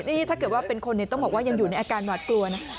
นี่ถ้าเกิดว่าเป็นคนต้องบอกว่ายังอยู่ในอาการหวาดกลัวนะ